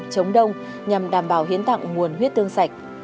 chống đông nhằm đảm bảo hiến tặng nguồn huyết tương sạch